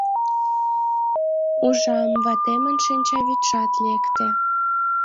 Ужам, ватемын шинчавӱдшат лекте.